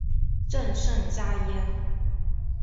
朕甚嘉焉。